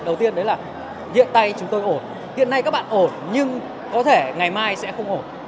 đầu tiên đấy là diện tay chúng tôi ổn hiện nay các bạn ổn nhưng có thể ngày mai sẽ không ổn